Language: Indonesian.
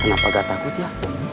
kenapa gak takut ya